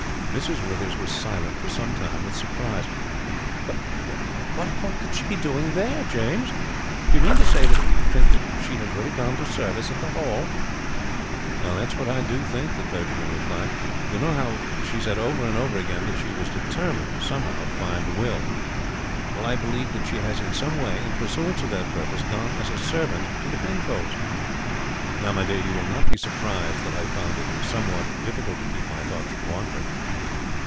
Mrs. Withers was silent for some time with surprise. "But what can she be doing there, James? Do you mean to say that you think that she has really gone to service at the Hall?" "That is what I do think," the clergyman replied. "You know how she said over and over again that she was determined somehow to find the will. Well, I believe that she has in some way in pursuance of that purpose gone as a servant to the Penfolds. Now, my dear, you will not be surprised that I found it somewhat difficult to keep my thoughts from wandering."